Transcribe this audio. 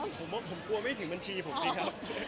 ผมกลัวไม่ถึงบัญชีผมดีครับ